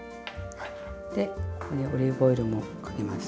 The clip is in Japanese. でここにオリーブオイルもかけます。